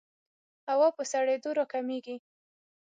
هوا په سړېدو راکمېږي.